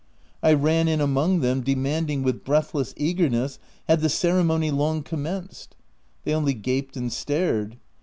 I ran in among them, demanding, with breathless eagerness, had the ceremony long commenced ? They only gaped and stared.